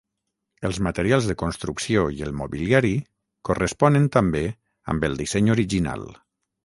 Els materials de construcció i el mobiliari corresponen també amb el disseny original.